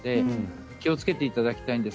気をつけていただきたいです。